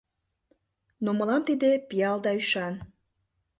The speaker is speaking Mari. Но мылам тиде — пиал да ӱшан.